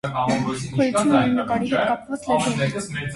Գոյություն ունի նկարի հետ կապված լեգենդ։